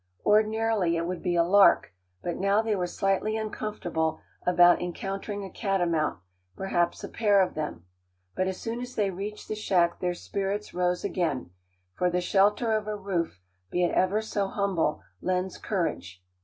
Ordinarily it would be a lark, but now they were slightly uncomfortable about encountering a catamount, perhaps a pair of them. But as soon as they reached the shack their spirits rose again, for the shelter of a roof, be it ever so humble, lends courage.